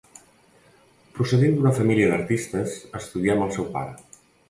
Procedent d'una família d'artistes, estudià amb el seu pare.